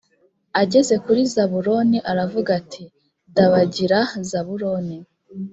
ageze kuri zabuloni aravuga ati dabagira, zabuloni,